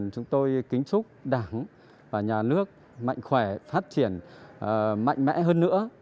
chúng tôi kính chúc đảng và nhà nước mạnh khỏe phát triển mạnh mẽ hơn nữa